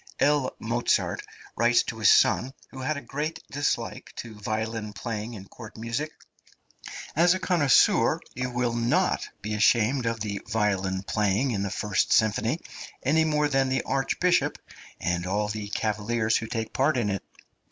L. Mozart writes to his son, who had a great dislike to violin playing in court music: "As a connoisseur, you will not be ashamed of the violin playing in the first symphony, any more than the Archbishop and all the cavaliers who take part in it."